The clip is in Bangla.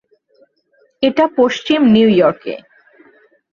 এটা পশ্চিম নিউ ইয়র্কে।